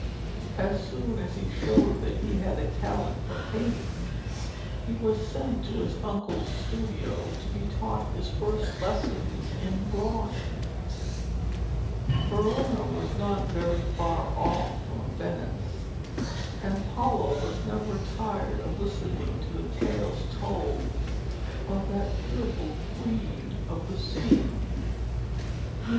As soon as he showed that he had a talent for painting, he was sent to his uncle's studio to be taught his first lessons in drawing. Verona was not very far off from Venice, and Paolo was never tired of listening to the tales told of that beautiful Queen of the Sea.